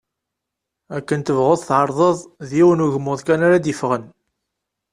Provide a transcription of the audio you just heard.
Akken tebɣuḍ tεerḍeḍ, d yiwen ugmuḍ kan ara d-yeffɣen.